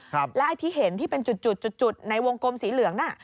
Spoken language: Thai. แล้วไอ้ที่เห็นที่เป็นจุดจุดจุดในวงกลมสีเหลืองน่ะ